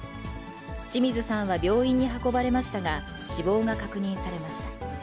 清水さんは病院に運ばれましたが、死亡が確認されました。